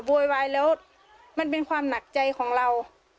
โวยวายแล้วมันเป็นความหนักใจของเรา